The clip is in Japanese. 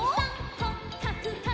「こっかくかくかく」